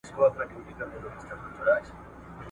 توکمونه په دې اړه خبر نه ول